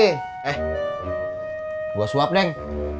eh dua suap neng